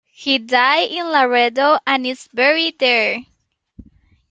He died in Laredo and is buried there.